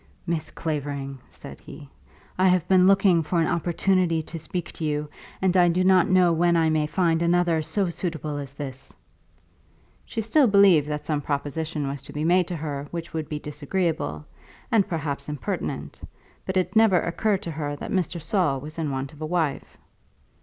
"Miss Clavering," said he, "I have been looking for an opportunity to speak to you, and I do not know when I may find another so suitable as this." She still believed that some proposition was to be made to her which would be disagreeable, and perhaps impertinent, but it never occurred to her that Mr. Saul was in want of a wife.